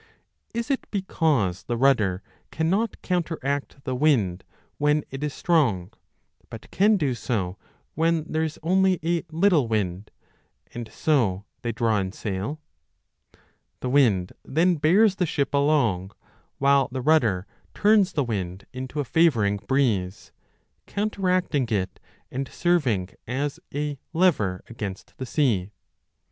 Is it because the rudder cannot counteract the wind when it is strong, but 10 can do so when there is only a little wind, and so 2 they draw in sail ? The wind then bears the ship along, while the rudder turns the wind into a favouring breeze, counter acting it and serving as a lever against the sea.